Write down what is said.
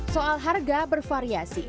soal harga bervariasi